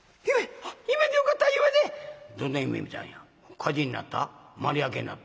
火事になった？